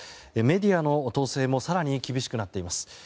メディアの統制も更に厳しくなっています。